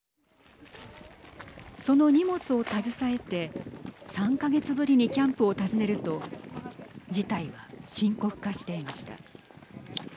その荷物を携えて３か月ぶりにキャンプを訪ねると事態は深刻化していました。